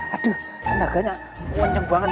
aduh tenaganya panjang banget